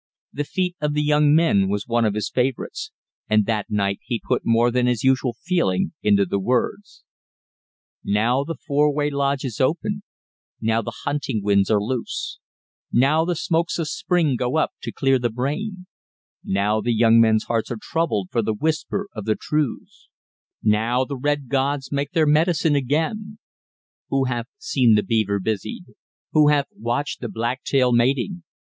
"The Feet of the Young Men" was one of his favourites, and that night he put more than his usual feeling into the words: "Now the Four way Lodge is opened, now the Hunting Winds are loose Now the Smokes of Spring go up to clear the brain; Now the Young Men's hearts are troubled for the whisper of the Trues, Now the Red Gods make their medicine again! Who hath seen the beaver busied? Who hath watched the black tail mating?